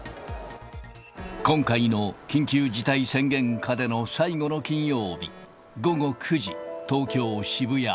今回の緊急事態宣言下での最後の金曜日、午後９時、東京・渋谷。